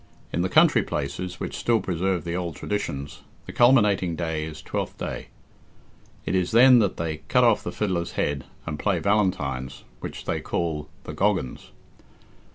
In the country places, which still preserve the old traditions, the culminating day is Twelfth Day. It is then that they "cut off the fiddler's head," and play valentines, which they call the "Goggans."